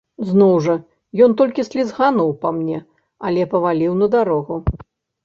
Зноў жа, ён толькі слізгануў па мне, але паваліў на дарогу.